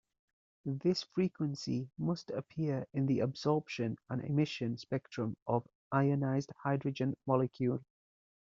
This frequency must appear in the absorption and emission spectrum of ionized hydrogen molecule.